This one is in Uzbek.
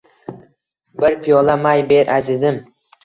Bir piyola may ber azizim